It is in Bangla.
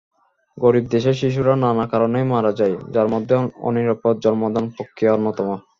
গরিব দেশের শিশুরা নানা কারণেই মারা যায়, যার মধ্যে অনিরাপদ জন্মদান-প্রক্রিয়া অন্যতম।